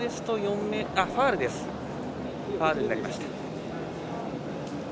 ファウルになりました。